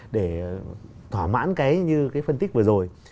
để thỏa mãn cái như cái phân tích vừa rồi